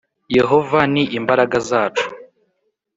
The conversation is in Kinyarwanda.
Yehova ni imbaraga zacu